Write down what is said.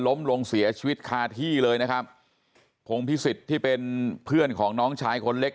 ล้มลงเสียชีวิตคาที่เลยนะครับพงพิสิทธิ์ที่เป็นเพื่อนของน้องชายคนเล็ก